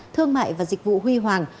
thương mại và dịch vụ huy hoàng